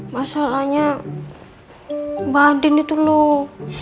masalahnya mbak andin itu loh